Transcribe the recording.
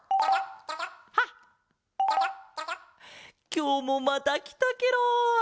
きょうもまたきたケロ。